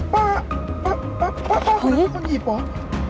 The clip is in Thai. ป้าป้าคนนี้เป็นคนหยีบเหรอ